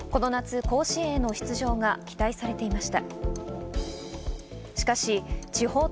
この夏、甲子園への出場が期待されていました。